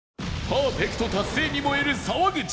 パーフェクト達成に燃える沢口